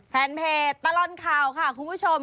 แฟนเพจตลอดข่าวค่ะคุณผู้ชม